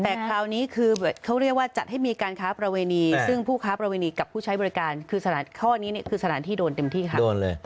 แต่คราวนี้คือเขาเรียกว่าจัดให้มีการค้าประเวณีซึ่งผู้ค้าประเวณีกับผู้ใช้บริการคือสถานข้อนี้คือสถานที่โดนเต็มที่ค่ะ